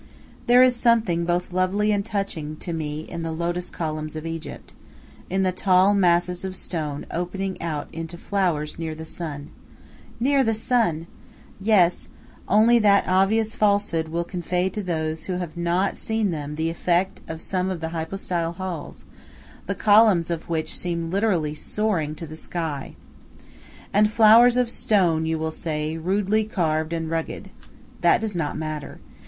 There is something both lovely and touching to me in the lotus columns of Egypt, in the tall masses of stone opening out into flowers near the sun. Near the sun! Yes; only that obvious falsehood will convey to those who have not seen them the effect of some of the hypostyle halls, the columns of which seem literally soaring to the sky. And flowers of stone, you will say, rudely carved and rugged! That does not matter.